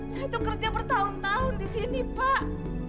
saya tuh kerja bertahun tahun di sini pak